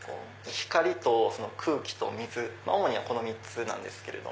光と空気と水主にはこの３つなんですけど。